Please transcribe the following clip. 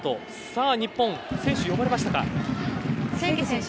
さあ日本、選手が呼ばれましたか。